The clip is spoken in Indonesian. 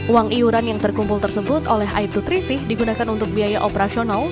uang iuran yang terkumpul tersebut oleh aibtu trisih digunakan untuk biaya operasional